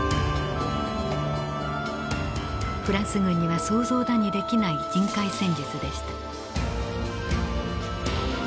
フランス軍には想像だにできない人海戦術でした。